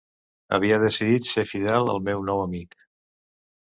Havia decidit ser fidel al meu nou amic...